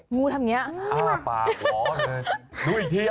งูทำอย่างนี้